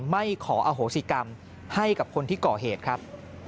ไม่ขออโหสิกรรมให้กับคนที่ก่อเหตุครับ